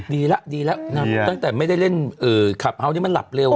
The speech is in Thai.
ดีแล้วตั้งแต่ไม่ได้เล่นขาวนี้มันหลับเร็ว